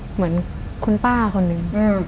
เหมือนคุณป้าคนหนึ่ง